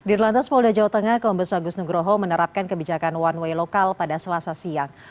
dirlantas polda jawa tengah kombes agus nugroho menerapkan kebijakan one way lokal pada selasa siang